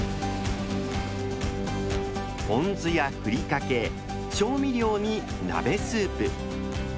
ぽん酢やふりかけ調味料に鍋スープ。